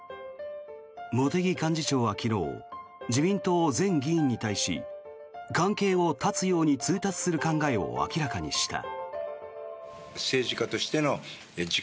茂木幹事長は昨日自民党全議員に対し関係を絶つように通達する考えを明らかにした。